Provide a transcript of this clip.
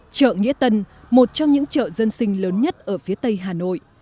chợ nghĩa tân một trong những chợ dân sinh lớn nhất ở phía tây hà nội